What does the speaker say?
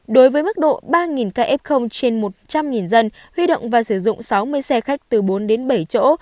đối với mức độ ba k trên một trăm linh dân huy động và sử dụng sáu mươi xe khách từ bốn đến bảy chỗ